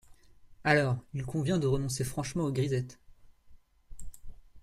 Alors, il convient de renoncer franchement aux grisettes.